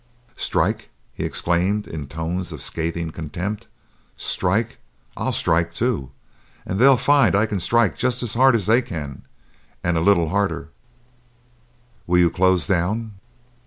"Strike!" he exclaimed in tones of scathing contempt. "Strike? I'll strike too, and they'll find I can strike just as hard as they can, and a little harder!" "Will you close down?"